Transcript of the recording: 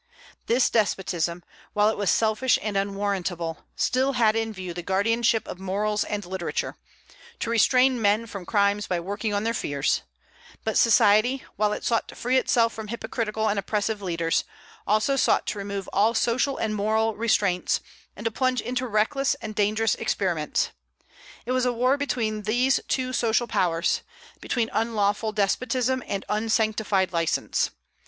This despotism, while it was selfish and unwarrantable, still had in view the guardianship of morals and literature, to restrain men from crimes by working on their fears; but society, while it sought to free itself from hypocritical and oppressive leaders, also sought to remove all social and moral restraints, and to plunge into reckless and dangerous experiments. It was a war between these two social powers, between unlawful despotism and unsanctified license.